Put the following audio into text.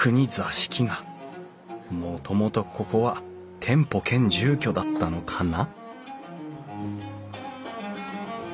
もともとここは店舗兼住居だったのかな？